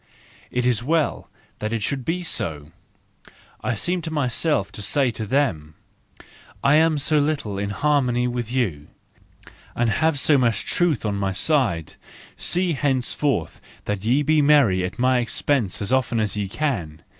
It is well that it should be so!—I seem to myself to say to them— 244 THE JOYFUL WISDOM, IV I am so little in harmony with you, and have so much truth on my side: see henceforth that ye be merry at my expense as often as ye can!